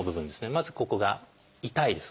まずここが痛いです。